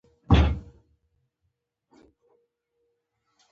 ملګری د قربانۍ مثال دی